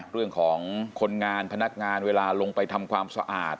เรื่องของคนงานพนักงานเวลาลงไปทำความสะอาด